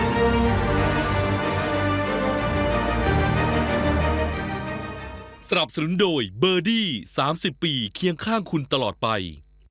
สนับสนุนโดยเบอร์ดี้๓๐ปีเคียงข้างคุณตลอดไป